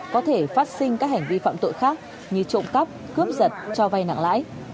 có thể phát sinh các hành vi phạm tội khác như trộm cắp cướp giật cho vay nặng lãi